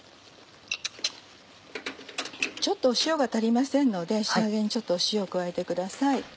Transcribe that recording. ちょっと塩が足りませんので仕上げにちょっと塩を加えてください。